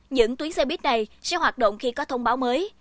những tuyến xe buýt này sẽ hoạt động khi có thông báo mới